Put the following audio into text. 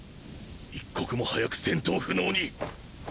一刻も早く戦闘不能に